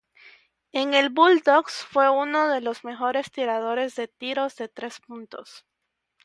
En el Bulldogs fue uno de los mejores tirador de tiros de tres puntos.